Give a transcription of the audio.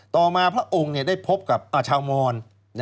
ต่อมาพระองค์ได้พบกับชาวมอน